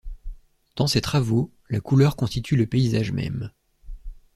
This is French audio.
Dans ces travaux, la couleur constitue le paysage même.